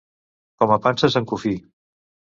Com a panses en cofí.